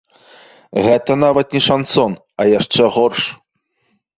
Гэта нават не шансон, а яшчэ горш!